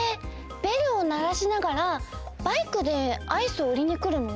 ベルをならしながらバイクでアイスをうりにくるの？